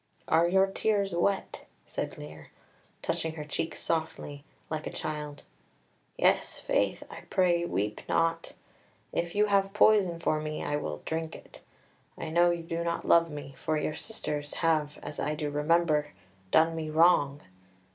"Are your tears wet?" said Lear, touching her cheeks softly, like a child. "Yes, faith! I pray, weep not. If you have poison for me, I will drink it. I know you do not love me, for your sisters have, as I do remember, done me wrong.